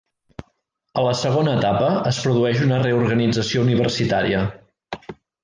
A la segona etapa es produeix una reorganització universitària.